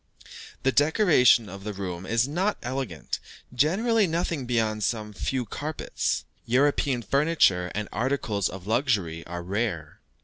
The decoration of the rooms is not elegant, generally nothing beyond some few carpets; European furniture and articles of luxury are rare.